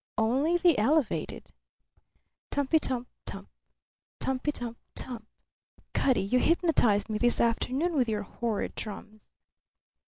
"Only the Elevated." "Tumpitum tump! Tumpitum tump! Cutty, you hypnotized me this afternoon with your horrid drums."